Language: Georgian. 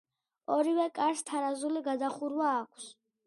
ორივე კარს თარაზული გადახურვა აქვს.